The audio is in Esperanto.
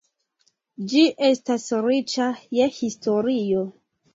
Ĝi estas riĉa je historio.